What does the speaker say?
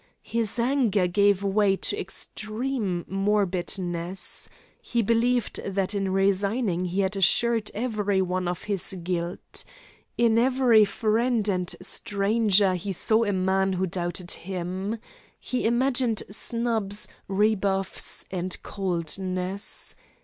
His anger gave way to extreme morbidness. He believed that in resigning he had assured every one of his guilt. In every friend and stranger he saw a man who doubted him. He imagined snubs, rebuffs, and coldnesses.